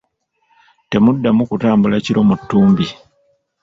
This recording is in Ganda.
Temuddamu kutambula kiro mu ttumbi.